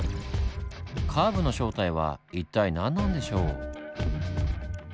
カーブの正体は一体何なんでしょう？